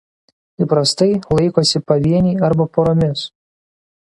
Įprastai laikosi pavieniai arba poromis.